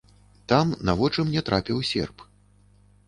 Там на вочы мне трапіў серп.